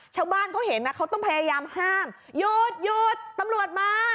ชาวบ้านเขาเห็นนะเขาต้องพยายามห้ามหยุดหยุดตำรวจมา